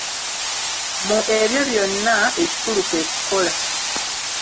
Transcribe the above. Mu ebyo byonna ekikulu kwe kukola.